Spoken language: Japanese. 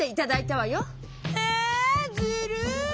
えずるい！